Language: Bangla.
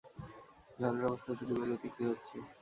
ঝড়ের অবস্থা শুধু বেগতিকই হচ্ছে।